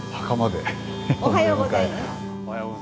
おはようございます。